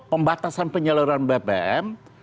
pembatasan penyeluruhan bpm